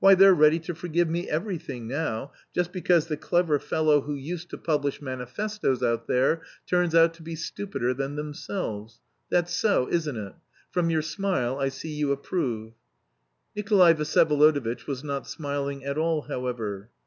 Why, they're ready to forgive me everything now, just because the clever fellow who used to publish manifestoes out there turns out to be stupider than themselves that's so, isn't it? From your smile I see you approve." Nikolay Vsyevolodovitch was not smiling at all, however.